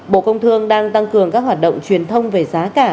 bộ công thương đang tăng cường các hoạt động truyền thông về giá cả